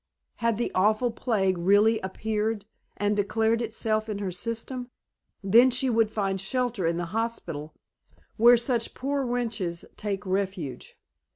Had the awful plague really appeared, and declared itself in her system, then she could find shelter in the hospital where such poor wretches take refuge.